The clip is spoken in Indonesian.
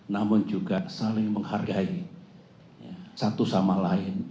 namun juga saling menghargai satu sama lain